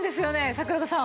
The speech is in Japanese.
桜田さん。